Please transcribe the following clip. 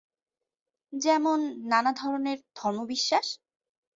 যেমন নানা ধরনের ধর্মবিশ্বাস।